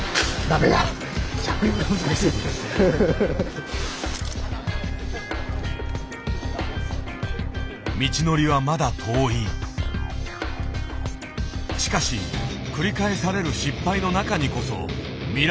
しかし繰り返される失敗の中にこそ未来は眠っている。